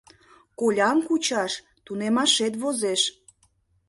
— Колям кучаш тунемашет возеш.